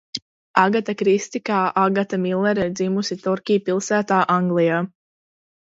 Agata Kristi kā Agata Millere ir dzimusi Torkī pilsētā, Anglijā.